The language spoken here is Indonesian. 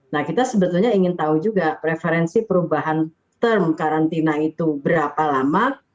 nah kita sebetulnya ingin tahu juga preferensi perubahan term karantina itu berapa lama